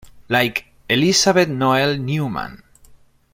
Like Elisabeth Noelle-Neumann.